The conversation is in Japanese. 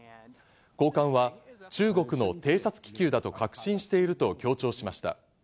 高官は中国の偵察気球だと確信していると強調しました。